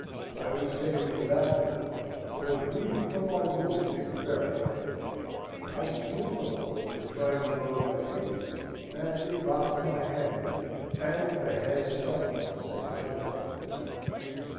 I was saved for that time, but bleeding from my wound and very faint. I swooned almost in trying to load my piece, and it dropped from my hand, and the hand itself sank lifeless to the ground.